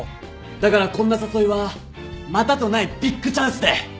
だからこんな誘いはまたとないビッグチャンスで。